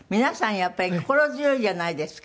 やっぱり心強いじゃないですか。